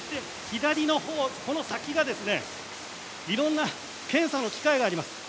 この先がいろんな検査の機械があります。